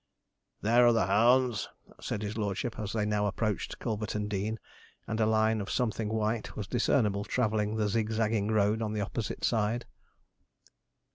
'There are the hounds,' said his lordship, as they now approached Culverton Dean, and a line of something white was discernible travelling the zig zagging road on the opposite side.